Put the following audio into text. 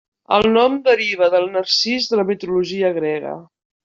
El nom deriva del Narcís de la mitologia grega.